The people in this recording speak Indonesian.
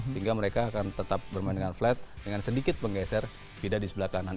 sehingga mereka akan tetap bermain dengan flat dengan sedikit menggeser fida di sebelah kanan